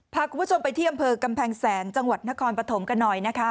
พาคุณผู้ชมไปที่อำเภอกำแพงแสนจังหวัดนครปฐมกันหน่อยนะคะ